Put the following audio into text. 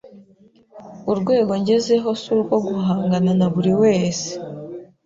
urwego ngezeho surwo guhangana na buri wese